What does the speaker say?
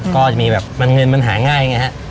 ก็จะมีแบบมันเงินมันหาง่าย